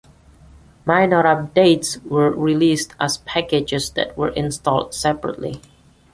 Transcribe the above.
Minor updates were released as packages that were installed separately.